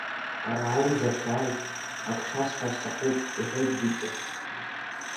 Араанӡа шәааи, ак шәасҳәар сҭахуп, — иҳәеит Витиа.